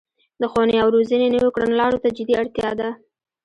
د ښوونې او روزنې نويو کړنلارو ته جدي اړتیا ده